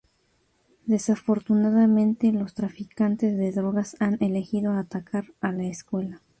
Desafortunadamente, los traficantes de drogas han elegido atacar a la escuela.